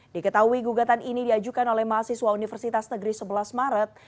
diketahui gugatan ini diajukan oleh mahasiswa universitas negeri sebelas maret